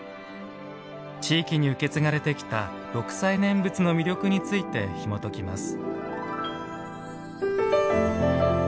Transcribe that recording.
地域に受け継がれてきた六斎念仏の魅力についてひもときます。